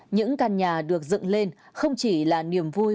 những căn nhà được dựng lên không chỉ là niềm vui